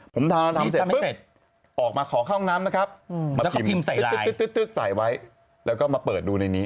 ผมทำแล้วทำเสร็จปุ๊บออกมาขอข้างห้องน้ำนะครับมาพิมพ์ตึ๊กใส่ไว้แล้วก็มาเปิดดูในนี้